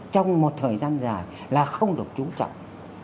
trong một thời gian dài là không được trú trọng